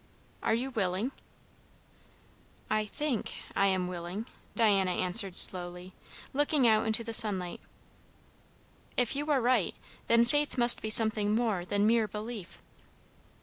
"Are you willing?" "I think I am willing," Diana answered slowly, looking out into the sunlight. "If you are right, then faith must be something more than mere belief."